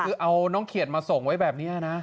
คือเอาน้องเขียดมาส่งไว้แบบนี้นะ